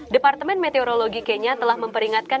departemen meteorologi kenya telah memperingatkan